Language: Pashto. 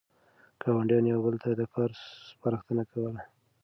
ګاونډیانو یو بل ته د کار سپارښتنه کوله.